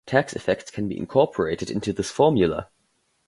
Tax effects can be incorporated into this formula.